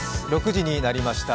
６時になりました。